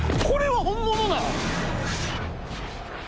これは本物なん？